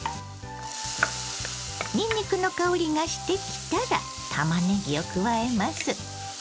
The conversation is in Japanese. にんにくの香りがしてきたらたまねぎを加えます。